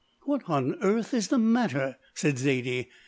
"What on earth is the matter?" said Zaidie.